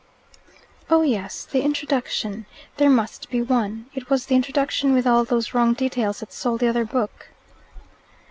"Oh yes the introduction. There must be one. It was the introduction with all those wrong details that sold the other book."